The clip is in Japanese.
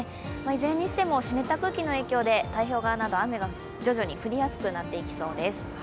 いずれにしても湿った空気の影響で太平洋側など、雨が徐々に降りやすくなっていきそうです。